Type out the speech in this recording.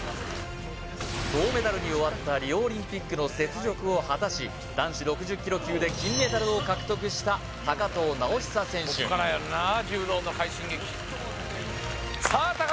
銅メダルに終わったリオオリンピックの雪辱を果たし男子６０ｋｇ級で金メダルを獲得した藤直寿選手こっからやんな柔道の快進撃